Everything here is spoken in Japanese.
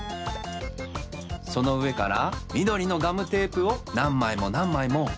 そのうえからみどりのガムテープをなんまいもなんまいもはりつけていきます。